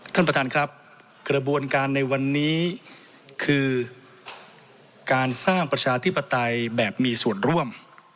ท่านประธานครับกระบวนการในวันนี้คือการสร้างประชาธิปไตยแบบมีส่วนร่วม